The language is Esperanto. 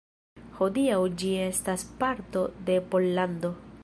Hodiaŭ ĝi estas parto de Pollando.